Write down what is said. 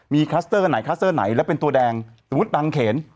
มีคลัสเตอร์อันไหนคลัสเตอร์ไหนแล้วเป็นตัวแดงสมมุติบางเขน